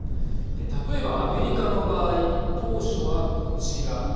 例えば、アメリカの場合当初はこちら。